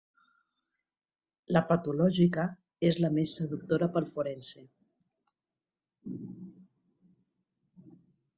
La patològica és la més seductora pel forense.